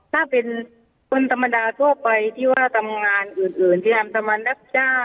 ถ้าเป็นคนธรรมดาทั่วไปที่ว่าทำงานอื่นที่ทำตามวันรับจ้าง